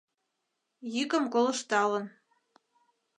Йӱкым колышталын.